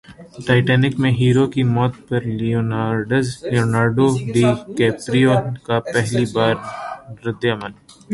Titanic میں hero کی موت پر لیونارڈو ڈی کیپریو کا پہلی بار ردعمل